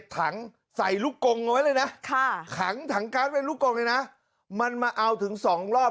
ถังใส่ลูกกงเอาไว้เลยนะถังถังการ์ดเป็นลูกกงเลยนะมันมาเอาถึง๒รอบ